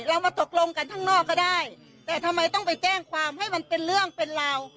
เรามาตกลงกันข้างนอกก็ได้แต่ทำไมต้องไปแจ้งความให้มันเป็นเรื่องเป็นราว